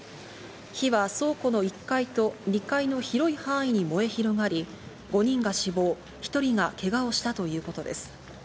火は倉庫の１階と２階の広い範囲に燃え広がり、５人が死亡、１人がけがをしたということです。